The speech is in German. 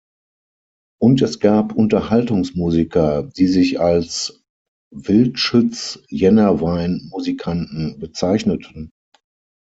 Und es gab Unterhaltungsmusiker, die sich als „Wildschütz-Jennerwein-Musikanten“ bezeichneten.